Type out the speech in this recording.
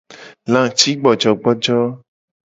Lacigbojogbojo.